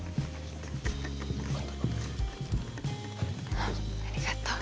あっありがとう。どうぞ。